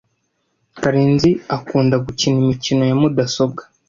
Karenzi akunda gukina imikino ya mudasobwa.